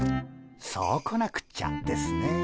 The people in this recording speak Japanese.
そうこなくっちゃですね。